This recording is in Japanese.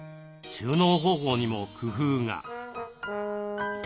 収納方法にも工夫が。